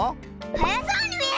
はやそうにみえる！